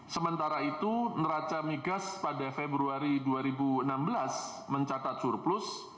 sementara itu neraca migas pada februari dua ribu enam belas mencatat surplus